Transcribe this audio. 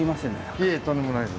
いえとんでもないです。